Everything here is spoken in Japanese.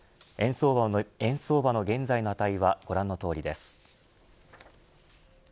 円相場の現在の値はご覧のとおりです。